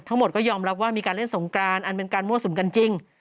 ทั้งหมดก็ยอมรับว่ามีการเล่นสงกรานอันเป็นการมั่วสุมกันจริง